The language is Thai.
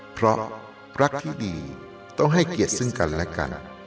เพราะรักที่ดีต้องให้เกียรติซึ่งกันและกัน